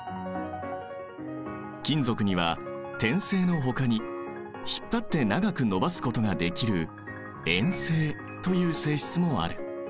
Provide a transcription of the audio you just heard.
金属には展性のほかに引っ張って長く延ばすことができる「延性」という性質もある。